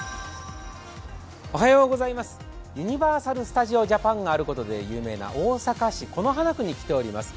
ユニバーサル・スタジオ・ジャパンがあることで有名な大阪市此花区に来ています。